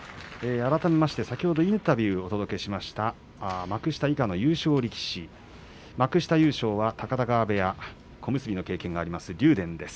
改めて先ほどインタビューをお届けしました、幕下以下の優勝力士幕下優勝は高田川部屋小結の経験がある竜電です。